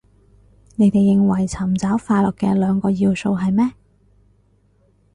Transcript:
你哋認為尋找快樂嘅兩個要素係咩